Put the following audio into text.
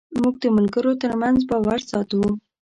موږ د ملګرو تر منځ باور ساتو.